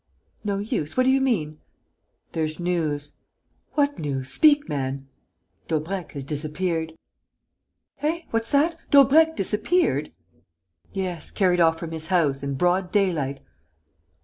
"No use? What do you mean?" "There's news." "What news? Speak, man!" "Daubrecq has disappeared." "Eh? What's that? Daubrecq disappeared?" "Yes, carried off from his house, in broad daylight."